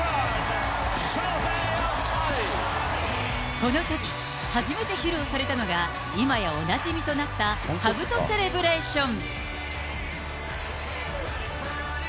このとき、初めて披露されたのが、今やおなじみとなったかぶとセレブレーション。